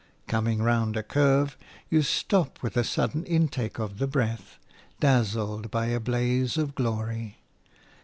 Coming round a curve, you stop with a sudden intake of the breath, dazzled by a blaze of glory.